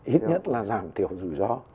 ít nhất là giảm thiểu rủi rót